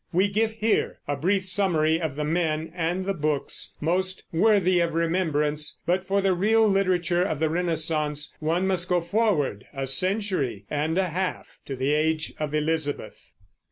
We give here a brief summary of the men and the books most "worthy of remembrance"; but for the real literature of the Renaissance one must go forward a century and a half to the age of Elizabeth.